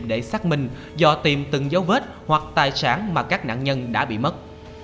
để xác minh do tìm từng dấu vết hoặc tài sản mà các nạn nhân đã bị mất